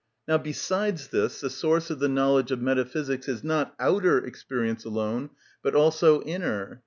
Now, besides this, the source of the knowledge of metaphysics is not outer experience alone, but also inner.